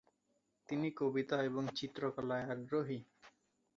তিনি কবিতা এবং চিত্রকলায় আগ্রহী।